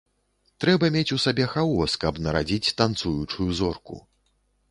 Трэба мець у сабе хаос, каб нарадзіць танцуючую зорку.